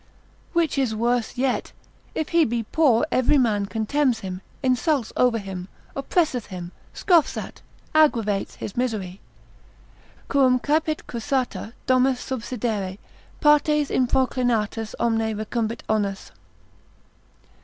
Which is worse yet, if he be poor every man contemns him, insults over him, oppresseth him, scoffs at, aggravates his misery. Quum caepit quassata domus subsidere, partes In proclinatas omne recumbit onus.